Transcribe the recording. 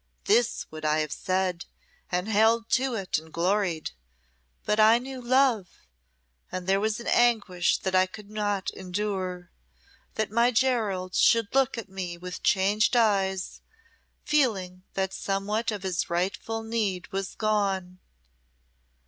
This would I have said, and held to it, and gloried. But I knew love, and there was an anguish that I could not endure that my Gerald should look at me with changed eyes, feeling that somewhat of his rightful meed was gone.